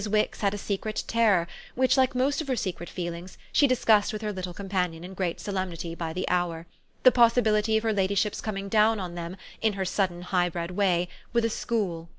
Wix had a secret terror which, like most of her secret feelings, she discussed with her little companion, in great solemnity, by the hour: the possibility of her ladyship's coming down on them, in her sudden highbred way, with a school.